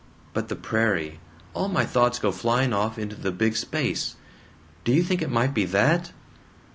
But the prairie all my thoughts go flying off into the big space. Do you think it might be that?"